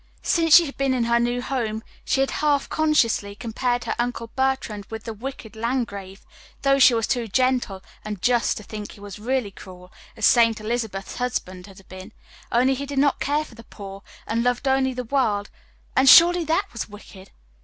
Since she had been in her new home, she had, half consciously, compared her Uncle Bertrand with the wicked Landgrave, though she was too gentle and just to think he was really cruel, as Saint Elizabeth's husband had been, only he did not care for the poor, and loved only the world and surely that was wicked.